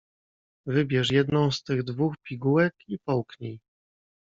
"Wybierz jedną z tych dwóch pigułek i połknij."